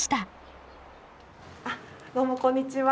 あどうもこんにちは。